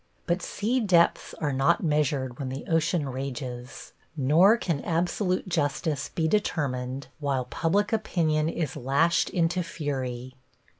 But sea depths are not measured when the ocean rages, nor can absolute justice be determined while public opinion is lashed into fury.